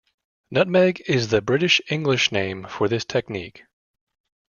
Nutmeg is the British English name for this technique.